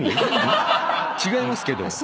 違いますけど。